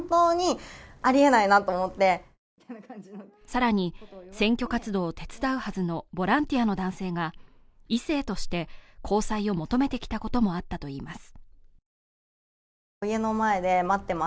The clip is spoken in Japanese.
さらに選挙活動を手伝うはずのボランティアの男性が異性として交際を求めてきたこともあったといいます